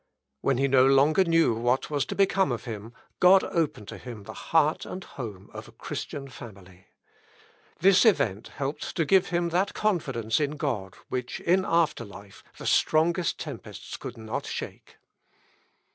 When he no longer knew what was to become of him God opened to him the heart and the home of a Christian family. This event helped to give him that confidence in God which in after life the strongest tempests could not shake.